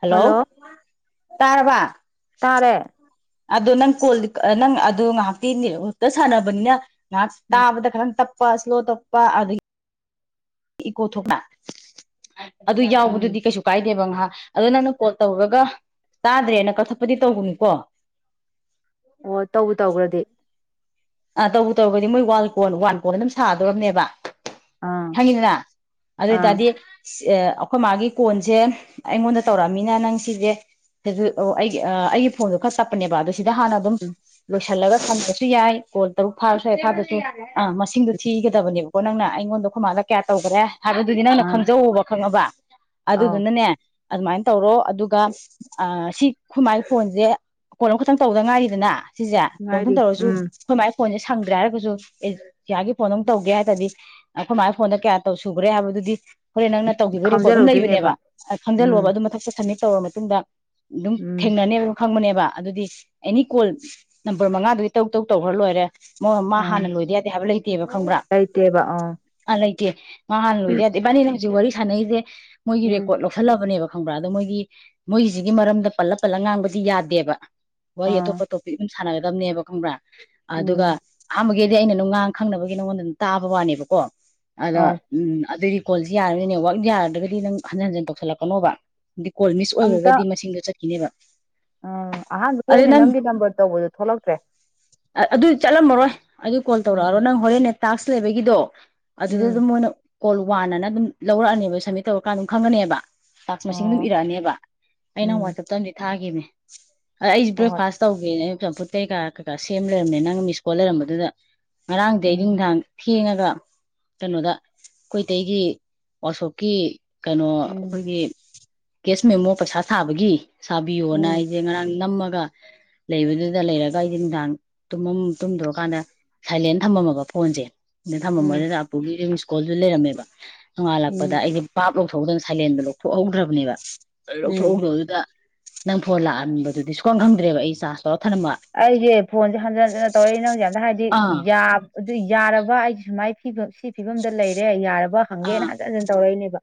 hello ꯇꯥꯔꯕꯥ ꯇꯔꯦ ꯑꯗꯣ ꯅꯪ ꯀꯣꯜ ꯅꯪ ꯑꯗꯨ ꯉꯥꯏꯍꯥꯛꯇꯤꯛꯇ ꯁꯥꯟꯅꯕꯅꯤꯅ ꯉ ꯎꯝ ꯇꯥꯕꯗ ꯈꯔꯪ ꯇꯞ ꯐꯥꯁꯂꯣ ꯇꯞꯄꯥ ꯑꯒ ꯏ ꯀꯣꯊꯅ ꯑꯗꯨ ꯎꯝ ꯌꯥꯎꯕꯗꯨꯗꯤ ꯀꯩꯁꯨ ꯀꯥꯏꯗꯦꯕ ꯉꯥꯏꯍꯥꯛ ꯑꯗꯨꯣ ꯅꯪꯅ ꯀꯣꯜ ꯇꯧꯔꯒ ꯇꯥꯗ꯭ꯔꯦꯅ ꯀꯛꯊꯠꯄꯗꯤ ꯇꯧꯕꯅꯤꯀꯣ ꯑꯣ ꯇꯧꯕ ꯇꯧꯈ꯭ꯔꯗꯤ ꯑ ꯇꯧꯕ ꯇꯧꯕꯒꯗꯤ ꯃꯣꯏ ꯋꯥꯟ ꯀꯣꯟ ꯋꯥꯟ ꯀꯣꯟ ꯑꯗꯨꯝ ꯁꯥꯗꯣꯔꯔꯕꯅꯦꯕ ꯑꯥ ꯍꯪꯤꯟꯅ ꯑꯥ ꯑꯗꯨꯗꯇꯥꯗꯤ ꯑꯦ ꯑꯩꯈꯣꯏ ꯃꯥꯒꯤ ꯀꯣꯟꯁꯦ ꯑꯩꯉꯣꯟꯗ ꯇꯧꯔꯛꯑꯃꯤꯅ ꯅꯪ ꯁꯤꯁꯦ ꯑꯩꯒꯤ ꯑꯩꯒꯤ ꯐꯣꯟꯗꯣ ꯈꯔ ꯇꯞꯄꯅꯦꯕ ꯑꯗꯨ ꯁꯤꯗ ꯍꯥꯟꯅ ꯑꯗꯨꯝ ꯎꯝ ꯂ ꯊꯜꯂꯒ ꯊꯝꯕꯁꯨ ꯌꯥꯏ ꯍꯣꯏ ꯇꯔꯨꯛ ꯐꯥꯔ ꯁ꯭ꯋꯥꯏ ꯐꯥꯗꯁꯨ ꯑꯥ ꯃꯁꯤꯡꯗꯣ ꯊꯤꯒꯗꯕꯅꯦꯕ ꯣ ꯅꯪꯅ ꯑꯩꯉꯣꯟꯗ ꯈꯨꯃꯥꯡꯗ ꯀꯌꯥ ꯇꯧꯈꯔꯦ ꯊꯥꯕꯗꯨꯗꯤ ꯅꯪꯅ ꯑꯥ ꯈꯪꯖꯧꯕ ꯈꯪꯉꯕ ꯑꯗꯨꯗꯨ ꯑꯧ ꯅꯅꯦ ꯑꯗꯨꯃꯥꯏꯅ ꯇꯧꯔꯣ ꯑꯗꯨꯒ ꯁꯤ ꯈꯨꯃꯥꯏ ꯐꯣꯟꯁꯦ ꯀꯣꯟ ꯑꯃꯈꯛꯇꯪ ꯇꯧꯗ ꯉꯥꯏꯔꯤꯗꯅ ꯁꯤꯁꯦ ꯀꯣꯟꯝꯇꯪ ꯉꯥꯏꯔꯤ ꯇꯧꯔꯁꯨ ꯎꯝ ꯐꯣꯟꯁꯦ ꯁꯪꯗ꯭ꯔꯦ ꯍꯥꯏꯔꯒꯁꯨ ꯑꯦ ꯏꯌꯥꯒꯤ ꯐꯣꯟ ꯑꯃ ꯇꯧꯒꯦ ꯍꯥꯏꯔꯗꯤ ꯑꯩꯈꯣꯏ ꯃꯥꯒꯤ ꯐꯣꯟꯗ ꯀꯌꯥ ꯇꯧ ꯁꯨꯈ꯭ꯔꯦ ꯍꯥꯏꯕꯗꯨꯗꯤ ꯍꯣꯔꯦꯟ ꯅꯪꯅ ꯇꯧꯈꯤꯕ ꯔꯦꯀꯣꯔꯠ ꯑꯗꯨ ꯈꯥꯡꯖꯤꯜꯍꯧꯗꯣꯏꯅꯦꯕ ꯂꯩꯕꯅꯦꯕ ꯈꯪꯖꯜꯂꯣꯕ ꯎꯝ ꯑꯗꯨ ꯃꯊ ꯆꯠꯊꯅꯤ ꯇꯧꯔ ꯃꯇꯨꯡꯗ ꯑꯗꯨꯝ ꯎꯝ ꯊꯦꯡꯅꯅꯦꯕ ꯐꯪꯕꯅꯦꯕ ꯑꯗꯨꯗꯤ ꯑꯦꯅꯤ ꯀꯣꯜ ꯅꯝꯕꯔ ꯃꯉꯥꯗꯨꯗꯤ ꯇꯧ ꯇꯧ ꯇꯧꯈ꯭ꯔ ꯂꯣꯏꯔꯦ ꯃꯥ ꯑꯥ ꯍꯥꯟꯅ ꯂꯣꯏꯗ ꯌꯥꯗꯦ ꯍꯥꯏꯕ ꯂꯩꯇꯦꯕ ꯈꯪꯕ꯭ꯔꯥ ꯂꯩꯇꯦꯕ ꯑꯥ [unintelligible] ꯃꯥ ꯍꯜꯂꯧꯗꯥ ꯌꯥꯗꯦ ꯏꯕꯥꯅꯤ ꯖꯤꯛ ꯋꯥꯔꯤ ꯁꯥꯟꯅꯩꯁꯦ ꯃꯣꯏꯒꯤ ꯎꯝ ꯔꯦꯀꯣꯔꯠ ꯂꯧꯈꯜꯂꯕꯅꯦꯕ ꯈꯪꯕ꯭ꯔꯥ ꯑꯗꯣ ꯃꯣꯏꯒꯤ ꯃꯣꯏꯒꯤꯁꯤꯒꯤ ꯃꯔꯝꯗ ꯄꯜꯂ ꯄꯜꯂ ꯉꯥꯡꯕꯗꯤ ꯌꯥꯗꯦꯕ ꯋꯥꯔꯤ ꯑꯥ ꯑꯇꯣꯞꯄ ꯇꯣꯄꯤꯛ ꯁꯥꯟꯅꯒꯗꯕꯅꯦꯕ ꯈꯪꯕ꯭ꯔꯥ ꯎꯝ ꯑꯗꯨꯒ ꯗꯤ ꯑꯩꯅ ꯅꯨꯡ ꯉꯥꯡ ꯈꯪꯅꯕꯒꯤ ꯅꯉꯣꯟꯗ ꯑꯗꯨꯝ ꯇꯥꯕ ꯋꯥꯅꯦꯕꯀꯣ ꯑꯗꯣ ꯑꯧ ꯎꯝ ꯀꯣꯜꯁꯤ ꯌꯥꯔꯅꯤ ꯅꯦꯋꯥꯛ ꯌꯥꯔ꯭ꯔꯒꯗꯤ ꯅꯪ ꯍꯟꯖꯤꯟ ꯍꯟꯖꯤꯟ ꯇꯧꯁꯤꯜꯂꯛꯀꯅꯣꯕ ꯀꯣꯜ ꯃꯤꯁ ꯑꯣꯏꯔꯒꯗꯤ ꯃꯁꯤꯡꯗꯣ ꯆꯠ ꯀꯅꯦꯕ ꯎꯝ ꯑꯍꯥꯟꯕꯒꯤ ꯑꯩꯅ ꯅꯪꯒꯤ ꯅꯝꯕꯔ ꯇꯧꯕꯗꯨ ꯊꯣꯛꯂꯛꯇ꯭ꯔꯦ ꯑꯗꯨ ꯆꯠꯂꯝꯃꯔꯣꯏ ꯑꯗꯨ ꯀꯣꯜ ꯇꯧꯔꯛꯑꯔꯣ ꯎꯝ ꯅꯪ ꯍꯣꯔꯦꯟꯅꯦ ꯇꯥꯛꯁ ꯂꯩꯕꯒꯤꯗꯣ ꯑꯗꯨꯗ ꯑꯗꯨ ꯎꯝ ꯃꯨꯅ ꯀꯣꯜ ꯋꯥꯟ ꯑꯅ ꯑꯗꯨꯝ ꯂꯧꯔꯛꯑꯅꯦꯕ ꯁꯝꯃꯤꯠ ꯇꯧꯔꯀꯥꯟꯗ ꯑꯗꯨꯝ ꯈꯪꯉꯅꯦꯕ ꯇꯥꯛꯁ ꯃꯁꯤꯡ ꯑꯗꯨꯝ ꯑꯣ ꯏꯔꯛꯑꯅꯦꯕ ꯑꯩꯅ ꯎꯝ ꯋꯥꯆꯞꯇ ꯑꯃꯗꯤꯗꯤ ꯊꯥꯈꯤꯅꯦ [unintelligible] ꯑꯩꯁ ꯍꯣꯏ ꯍꯣꯏ ꯕ꯭ꯔꯦꯛꯐꯥꯁ ꯇꯧꯒꯦꯅꯦ ꯆꯝꯄꯇꯇꯩ ꯀꯥ ꯀꯁꯤ ꯁꯦꯝ ꯂꯩꯔꯝꯃꯦ ꯅꯪ ꯃꯤꯁꯀꯣꯜ ꯂꯩꯔꯝꯕꯗꯨꯗ ꯉꯥꯔꯥꯡꯗꯦ ꯎꯝ ꯏꯟꯗꯥꯡ ꯊꯦꯡꯉꯒ ꯀꯩꯅꯣꯗ ꯑꯩꯈꯣꯏꯇꯩꯒꯤ ꯋꯥꯁꯣꯞꯀꯤ ꯀꯩꯅꯣ ꯎꯝ ꯑꯩꯈꯣꯏꯒꯤ ꯀꯦꯁ ꯃꯦꯃꯣ ꯄꯩꯁꯥ ꯁꯥꯕꯒꯤ ꯁꯥꯕꯤꯌꯣꯅ ꯎꯝ ꯑꯩꯁꯦ ꯉꯔꯥꯡ ꯅꯝ ꯑꯗꯨꯒ ꯂꯩꯕꯗꯨꯗ ꯂꯩꯔꯒ ꯑꯩ ꯅꯨꯡꯗꯥꯡ ꯇꯨꯝꯃꯝ ꯇꯨꯝꯗꯣꯛꯑꯀꯥꯟꯗ ꯁꯥꯏꯂꯦꯟ ꯊꯝꯃꯝꯃꯕ ꯐꯣꯟꯁꯦ ꯑ ꯎꯝ ꯊꯝꯃꯔꯦ ꯂꯥꯄꯨꯒꯤꯀꯣꯜ ꯖꯂꯦꯔꯝꯦꯕ ꯍꯜꯂꯄꯗ ꯎꯝ ꯑꯩ ꯄ ꯂꯧꯊꯣꯛꯧꯗꯅ ꯁꯥꯏꯂꯦꯟꯗ ꯂꯧꯊꯣꯛꯍꯧꯗ꯭ꯔꯕꯅꯦꯕ ꯎꯝ ꯂꯧꯊꯣꯛꯍꯧꯗ ꯑꯗꯨꯗ ꯅꯪ ꯐꯣꯟ ꯂꯥꯛꯑꯟꯕꯗꯨꯗꯤ ꯁꯨꯡꯀꯣꯟ ꯈꯪꯗ꯭ꯔꯦꯕ ꯑꯩ ꯆꯥꯔꯖ ꯇꯔ ꯑꯦ ꯐꯣꯟ ꯍꯟꯖꯤꯟꯅ ꯇꯧꯔꯛꯏ ꯅꯪ ꯍꯧꯖꯤꯛꯝ ꯍꯥꯏꯗꯤ ꯑꯥ ꯑꯗꯨ ꯌꯥꯔꯕ ꯑꯩꯒꯤ ꯁꯨꯃꯥꯏ ꯁꯤ ꯐꯤꯕꯝꯗ ꯂꯩꯔꯦ ꯌꯥꯔꯕ ꯕ ꯍꯪꯒꯦꯅ ꯑꯥ ꯍꯥꯏꯖ ꯑꯗꯨꯅ ꯇꯧꯔꯛꯏꯅꯦꯕ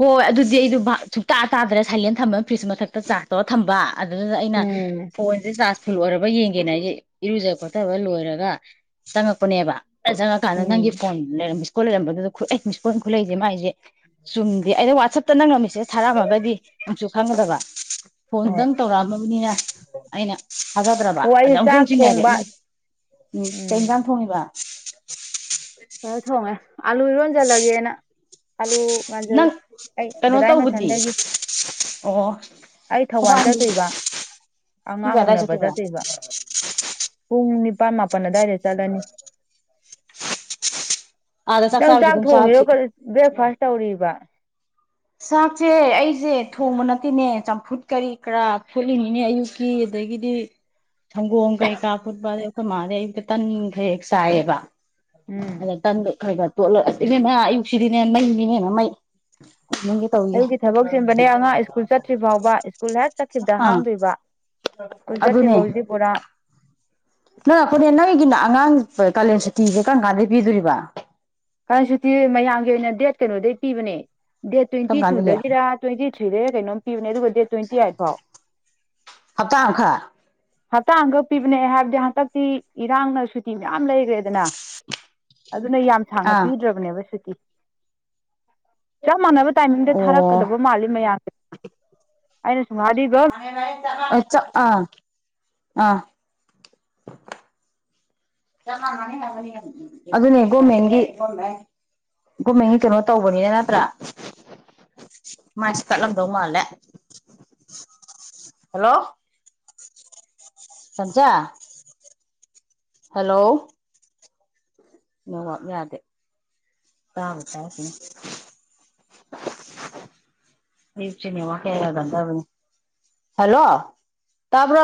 ꯍꯣꯏ ꯑꯗꯨꯗꯤ ꯑꯩꯗ ꯁꯨꯛꯇꯇꯥ ꯇꯥꯗꯅ ꯁꯥꯏꯂꯦꯟ ꯊꯝꯕ ꯐ꯭ꯔꯤꯖ ꯃꯊꯛꯇ ꯆꯥꯛ ꯇꯧꯔ ꯊꯝꯕ ꯑꯗꯨꯗꯨꯗ ꯑꯩꯅ ꯎꯝ ꯐꯣꯟꯁꯦ ꯆꯥꯔꯖ ꯐꯨꯜ ꯑꯣꯏꯔꯕ ꯌꯦꯡ [unintelligible] ꯍꯥꯏꯁꯦ ꯏꯔꯨꯖ ꯈꯣꯊꯕ ꯂꯣꯏꯔꯒ ꯆꯪꯉꯛꯄꯅꯦꯕ ꯆꯪꯉꯛꯀꯥꯟꯗ ꯅꯪꯒꯤ ꯎꯝ ꯐꯣꯟ ꯂꯩꯔꯝꯕ ꯁ꯭ꯀꯣꯜ ꯂꯩꯔꯝꯕꯗꯨꯗ ꯈꯨꯑ ꯄꯣꯏ ꯈꯨꯠꯂꯛꯁꯦ ꯃꯥꯏꯁꯦ ꯆꯨꯝꯗ ꯑꯩꯅ ꯋꯥꯠꯆꯞꯇ ꯅꯪꯅ ꯃꯦꯁꯦꯁ ꯊꯥꯔꯛꯑꯝꯃꯒꯗꯤ ꯅꯨꯛꯁꯨ ꯈꯪꯒꯗꯕ ꯍꯣꯏ ꯐꯣꯟꯗꯪ ꯇꯧꯔꯛꯑꯝꯃꯕꯅꯤꯅ ꯑꯩꯅ ꯊꯥꯖꯗ꯭ꯔꯕ ꯑꯣ ꯑꯗ ꯑꯩꯁꯦ ꯑꯃꯨꯁꯨ ꯑꯃꯨꯛ ꯆꯥꯛ ꯆꯤꯡꯉꯒꯦ ꯊꯣꯡꯕ ꯃꯣꯏ ꯎꯝ ꯀꯩ ꯏꯟꯖꯥꯡ ꯊꯣꯡꯉꯤꯕ ꯈꯔ ꯊꯣꯡꯉꯦ ꯑꯥꯂꯨ ꯏꯔꯣꯟꯖꯜꯂꯒꯦꯅ ꯍꯜꯂꯨ ꯉꯥꯟꯁꯤꯜꯂꯦ ꯅꯪ ꯑꯩ ꯀꯩꯅꯣ ꯔꯥꯏ ꯇꯧꯕꯗꯤ ꯃꯊꯟꯗꯒꯤ ꯑꯣ ꯑꯩ ꯊꯧꯕꯥꯜ ꯊꯧꯕꯥꯜꯒꯤ ꯆꯠꯇꯣꯏꯕ ꯄꯨꯡ ꯑꯉꯥꯡ ꯀꯌꯥ ꯑꯗꯥꯏ ꯎꯅꯕ ꯆꯠꯇꯣꯏꯕ ꯎꯝꯅꯤꯄꯥꯜ ꯃꯥꯄꯅ ꯗꯥꯏꯔ ꯆꯂꯅꯤ ꯑꯥꯗ ꯅꯪ ꯆꯥꯔꯨꯁꯤ ꯆꯥꯛ ꯑꯗꯨꯝ ꯊꯣꯡꯉꯤꯔꯣ ꯆꯥꯔꯨꯁꯤ ꯀ ꯕ꯭ꯔꯦꯛꯐꯥꯁ ꯇꯧꯔꯤꯕ ꯋꯥ ꯆꯥꯛꯁꯦ ꯑꯩꯁꯦ ꯊꯣꯡꯕ ꯅꯠꯇꯦꯅꯦ ꯆꯝꯐꯨꯠ ꯀꯔꯤ ꯀꯔꯥ ꯐꯣꯠꯂꯤꯅꯤꯅꯦ ꯑꯌꯨꯛꯀꯤ ꯑꯗꯒꯤꯗꯤ ꯊꯪꯒꯣꯣꯡ ꯀꯩ ꯀꯥꯄꯠꯕꯦ ꯀꯃꯔꯦ ꯇꯅꯤ ꯍꯥꯏꯩꯌꯦ ꯁꯥꯦꯕ ꯎꯝ ꯑꯗ ꯇꯟ ꯍꯒ ꯇꯣꯠꯂꯁꯤꯅꯦꯅꯦ ꯑꯌꯨꯛꯁꯤꯗꯤꯅꯦ ꯃꯩꯅꯤꯅꯦꯅ ꯃꯩ ꯅꯪꯒꯤ ꯇꯧꯔꯤꯁꯦ ꯑꯗꯨꯒꯤ ꯊꯕꯛ ꯁꯤꯟꯕꯅꯦ ꯑꯉꯥꯡ ꯁ꯭ꯀꯨꯜ ꯆꯠꯇ꯭ꯔꯤ ꯐꯥꯎꯕ ꯋꯥ ꯁ꯭ꯀꯨꯜ ꯍ ꯆꯠꯈꯤꯕꯗ ꯑꯥ ꯍꯥꯡꯗꯣꯏꯕ ꯁ꯭ꯀꯨꯜ ꯆꯠꯇ꯭ꯔꯤꯕ ꯑꯗꯨꯅꯦ ꯍꯧꯖꯤꯤ ꯄꯨꯔꯥ ꯍꯣꯏ ꯀꯥꯂꯦꯟꯁꯨ ꯇꯤꯤꯁꯦ ꯀꯔꯝ ꯀꯥꯟꯗꯩ ꯄꯤꯗꯣꯔꯤꯕ ꯀꯔ ꯁꯇꯤ ꯃꯌꯥꯝꯒꯤ ꯑꯣꯏꯅ ꯗꯦꯠ ꯀꯩꯅꯣꯗꯩ ꯄꯤꯕꯅꯦ ꯗꯦꯠ ꯀꯔꯝ ꯇ꯭ꯋꯦꯟꯇꯤ ꯀꯥꯟꯗꯒꯤ ꯇꯨꯗꯒꯤꯔ ꯇ꯭ꯋꯦꯟꯇꯤ ꯊꯔꯤꯗꯒꯤ ꯀꯩꯅꯣꯝ ꯄꯤ ꯃꯕꯗꯤ ꯍꯞꯇꯥ ꯈꯔ ꯍꯞꯇꯥ ꯑꯈꯛ ꯄꯤꯕꯅꯦ ꯍꯥꯏꯕꯗꯤ ꯍꯟꯇꯛꯇꯤ ꯏꯔꯥꯡꯅ ꯁꯨꯇꯤ ꯃꯌꯥꯝ ꯂꯩꯈ꯭ꯔꯦꯗꯅ ꯑꯗꯨꯅ ꯁꯥꯡꯅ ꯑꯥ ꯄꯤꯗ꯭ꯔꯕꯅꯦꯕ ꯁꯤꯇꯤ ꯀꯃꯅꯕ ꯇꯥꯏꯃꯤꯡꯗ ꯑꯣ ꯊꯥꯔꯛꯀꯗꯕ ꯃꯥꯜꯂꯤ ꯃꯌꯥꯝꯗ ꯑ ꯃꯥꯗꯤꯕ ꯆꯥ ꯑꯥ ꯑꯥ ꯑꯗꯨꯅꯦ ꯒꯣꯔꯃꯦꯟꯒꯤ ꯒꯣꯔꯃꯦꯟꯒꯤ ꯀꯩꯅꯣ ꯇꯧꯕꯅꯤꯅ ꯅꯠꯇ꯭ꯔꯥ ꯃꯥꯏꯁ ꯀꯠꯂꯝꯗꯧ ꯃꯥꯜꯂꯦ ꯍꯜꯂꯣ ꯁꯖ ꯍꯂꯣ ꯅꯉ ꯌꯥꯗꯦ ꯇꯥꯕ ꯇꯥꯏꯁꯤ ꯞꯆꯤꯅꯦꯉ ꯀꯌꯥ ꯌꯥꯒꯗꯕꯅꯤ ꯍꯜꯂꯣ ꯇꯥꯕ꯭ꯔꯣ